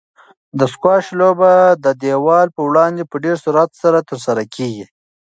د سکواش لوبه د دیوال په وړاندې په ډېر سرعت سره ترسره کیږي.